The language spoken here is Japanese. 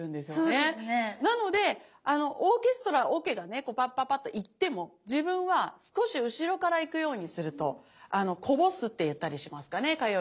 なのでオーケストラオケがねこうパッパパッと行っても自分は少し後ろから行くようにするとあのこぼすって言ったりしますかね歌謡曲の世界ではね。